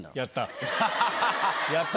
やった！